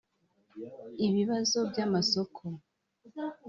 ibibazo by’amasoko